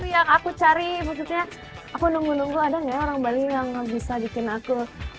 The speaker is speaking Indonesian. yang aku cari khususnya aku nunggu nunggu ada nggak orang bali yang bisa bikin aku